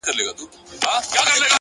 نظم د وخت د ساتنې هنر دی